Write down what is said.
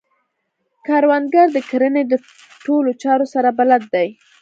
کروندګر د کرنې د ټولو چارو سره بلد دی